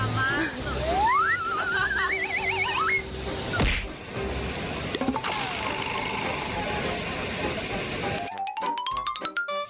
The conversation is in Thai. มาก